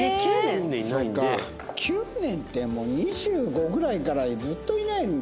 ９年ってもう２５ぐらいからずっといないんだ。